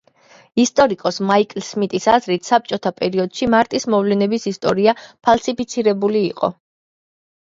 ისტორიკოს მაიკლ სმიტის აზრით საბჭოთა პერიოდში მარტის მოვლენების ისტორია ფალსიფიცირებული იყო.